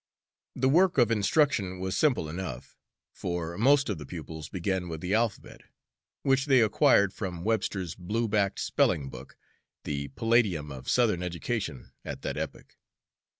The work of instruction was simple enough, for most of the pupils began with the alphabet, which they acquired from Webster's blue backed spelling book, the palladium of Southern education at that epoch.